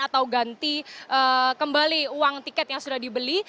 atau ganti kembali uang tiket yang sudah dibeli